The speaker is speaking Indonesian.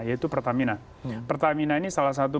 yaitu pertamina pertamina ini salah satu